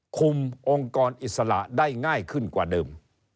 องค์กรอิสระได้ง่ายขึ้นกว่าเดิม